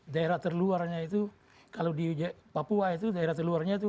daerah terluarnya itu kalau di papua itu daerah terluarnya itu